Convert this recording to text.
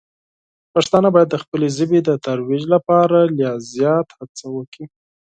پښتانه باید د خپلې ژبې د ترویج لپاره لا زیاته هڅه وکړي.